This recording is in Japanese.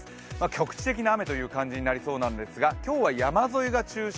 局地的な雨という感じになりそうなんですが、今日は山沿いが中心。